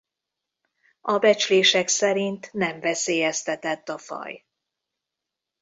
A becslések szerint nem veszélyeztett a faj.